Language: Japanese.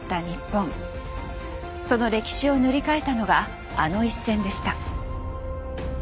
その歴史を塗り替えたのがあの一戦でした。